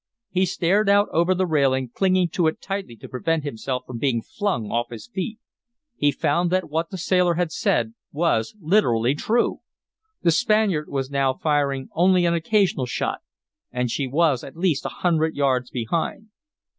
He stared out over the railing, clinging to it tightly to prevent himself from being flung off his feet. He found that what the sailor had said was literally true. The Spaniard was now firing only an occasional shot, and she was at least a hundred yards behind.